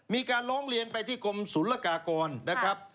มีการร้องเรียนไปที่กรมศูนย์ละกากรนะครับ